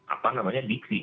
apa namanya dikri